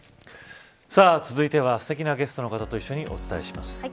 続いては、すてきなゲストの方と一緒にお伝えします。